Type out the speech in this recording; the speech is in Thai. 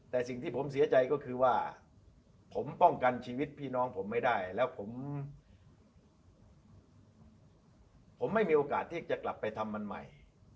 แต่สิ่งที่ผมเสียใจก็คือว่าผมป้องกันชีวิตพี่น้องผมไม่ได้แล้วผมไม่มีโอกาสที่จะกลับไปทำมันใหม่